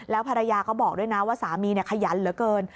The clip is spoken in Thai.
ภรรยาก็บอกด้วยนะว่าสามีขยันเหลือเกิน